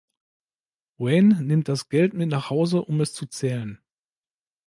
Wayne nimmt das Geld mit nachhause, um es zu zählen.